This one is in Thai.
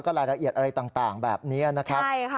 รายละเอียดอะไรต่างแบบนี้นะครับ